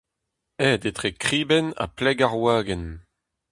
Hed etre kribenn ha pleg ar wagenn.